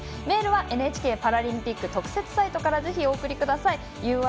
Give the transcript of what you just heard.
メールはＮＨＫパラリンピック特設サイトからぜひお送りください。